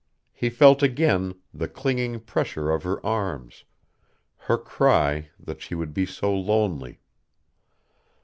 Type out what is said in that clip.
He felt again the clinging pressure of her arms, her cry that she would be so lonely.